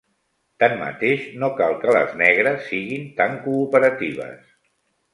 Tanmateix, no cal que les negres siguin tan cooperatives.